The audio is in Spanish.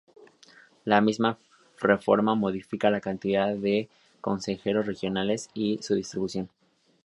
La misma reforma modificó la cantidad de consejeros regionales y su distribución.